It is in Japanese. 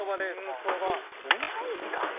うまいんすか？